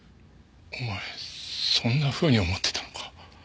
お前そんなふうに思ってたのか。